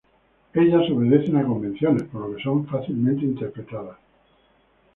Ellas obedecen a convenciones, por lo que son fácilmente interpretadas.